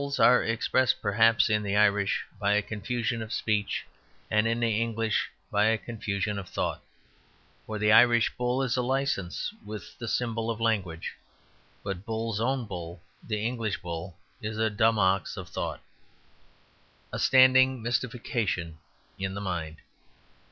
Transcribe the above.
They have an embarrassment, noted by all foreigners: it is expressed, perhaps, in the Irish by a confusion of speech and in the English by a confusion of thought. For the Irish bull is a license with the symbol of language. But Bull's own bull, the English bull, is "a dumb ox of thought"; a standing mystification in the mind.